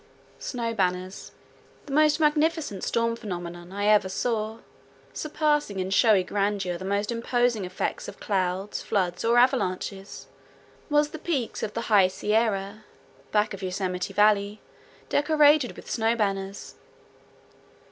SNOW BANNERS The most magnificent storm phenomenon I ever saw, surpassing in showy grandeur the most imposing effects of clouds, floods, or avalanches, was the peaks of the High Sierra, back of Yosemite Valley, decorated with snow banners.